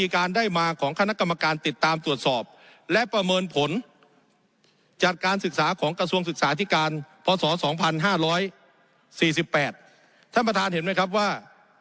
กามตรวจสอบและประเมินผลจากการศึกษาของกระทรวงศึกษาอธิการพศ๒๕๔๘ท่านประธานเห็นไหมครับว่า